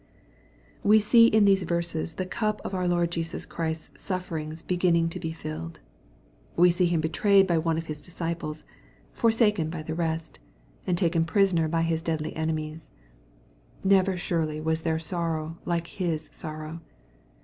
We see in these verses the cup of our Lord Jesus Christ's sufferings beginning to be filled. We see Him betrayed by one of His disciples, forsaken by the rest, and taken MATTHEW, CHAP. XXVI. 36T prisoner by His deadly enemies. Never surely was there Borrow like His sorrow